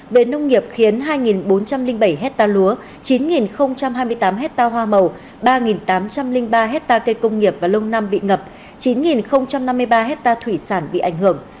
về nông nghiệp khiến hai bốn trăm linh bảy hecta lúa chín hai mươi tám hecta hoa màu ba tám trăm linh ba hecta cây công nghiệp và lông nam bị ngập chín năm mươi ba hecta thủy sản bị ảnh hưởng